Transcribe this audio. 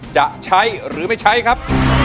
ชมแล้วผมจะชัยหรือไม่ใช้ครับ